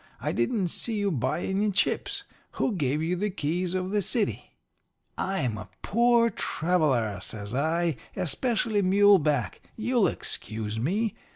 I didn't see you buy any chips. Who gave you the keys of the city?' "'I'm a poor traveller,' says I. 'Especially mule back. You'll excuse me.